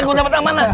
eh gua dapet amanah